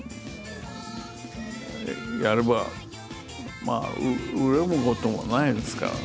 やればまあ恨むこともないですからね。